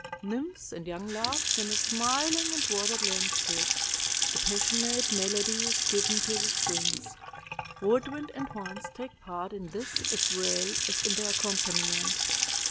Nymphs and young loves in a smiling and watered landscape. The passionate melody is given to the strings. Wood wind and horns take part in this as well as in the accompaniment.